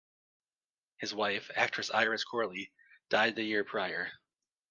His wife, actress Iris Corley, died the year prior.